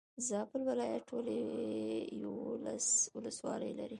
زابل ولايت ټولي يولس ولسوالي لري.